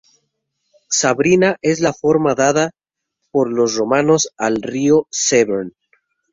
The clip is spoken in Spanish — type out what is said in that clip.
Sabrina es la forma dada por los romanos al río Severn.